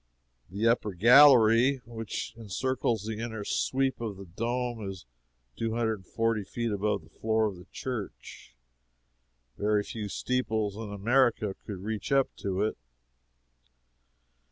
The upper gallery which encircles the inner sweep of the dome is two hundred and forty feet above the floor of the church very few steeples in America could reach up to it.